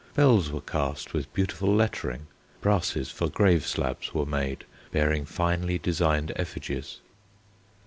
Bells were cast with beautiful lettering. Brasses for grave slabs were made bearing finely designed effigies.